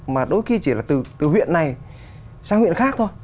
mà đôi khi chỉ là từ huyện này sang huyện khác thôi